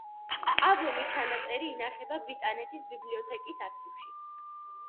ალბომის ჩანაწერი ინახება ბრიტანეთის ბიბლიოთეკის არქივში.